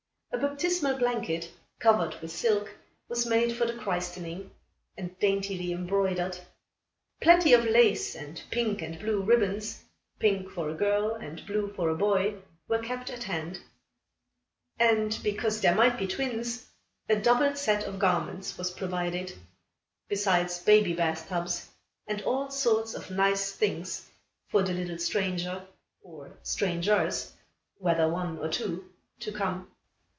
A baptismal blanket, covered with silk, was made for the christening, and daintily embroidered. Plenty of lace, and pink and blue ribbons pink for a girl and blue for a boy were kept at hand. And, because there might be twins, a double set of garments was provided, besides baby bathtubs and all sorts of nice things for the little stranger or strangers whether one or two to come.